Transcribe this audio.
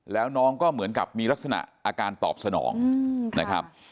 แล้วน้องก็เหมือนกับมีลักษณะอาการตอบสนองนะครับ